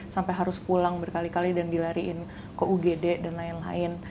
sampai harus pulang berkali kali dan dilariin ke ugd dan lain lain